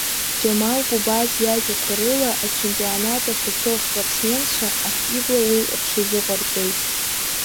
Џьамал Гәыбаз иажәақәа рыла, Ачемпионат ахь ицо аспортсменцәа активла уи рҽазыҟарҵоит.